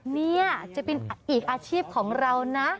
นี่จะเป็นอีกอาชีพของเรานะ